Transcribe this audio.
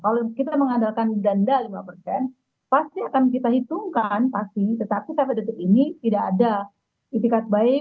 kalau kita mengandalkan denda lima persen pasti akan kita hitungkan pasti tetapi sampai detik ini tidak ada itikat baik